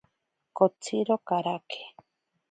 Kotsiro karake.